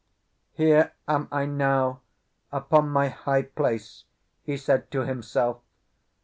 "Here am I now upon my high place," he said to himself.